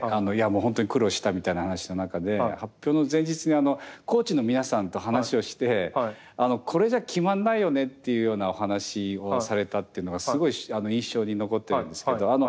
もう本当に苦労したみたいな話の中で発表の前日にコーチの皆さんと話をしてこれじゃ決まんないよねっていうようなお話をされたっていうのがすごい印象に残ってるんですけど。